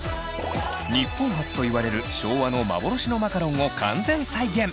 日本初といわれる昭和の幻のマカロンを完全再現！